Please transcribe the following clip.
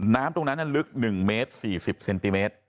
น้ำตรงนั้นลึก๑เมตร๔๐เซนติเมตร